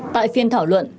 tại phiên thảo luận